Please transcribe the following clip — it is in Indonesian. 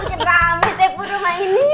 mungkin ramai deh bu rumah ini